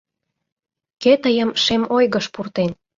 Кӧ тыйым шем ойгыш пуртен?